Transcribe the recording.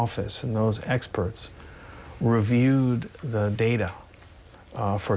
พิสูจน์ซึ่งแบบต้อยกระดูกงานสังเกต